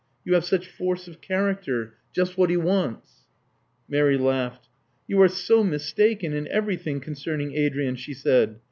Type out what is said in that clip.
You have such force of character — just what he wants." Mary laughed. ''You are so mistaken in everything concerning Adrian!" she said.